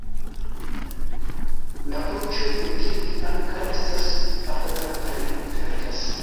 La voĉo de Kirk ankaŭ estas aŭdata, kaj li klarigas.